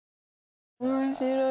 面白い！